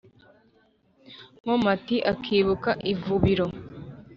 nkomati akibuka ivubiro.